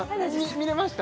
見れました？